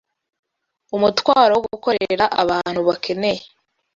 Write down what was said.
Umutwaro wo gukorera abantu bakeneye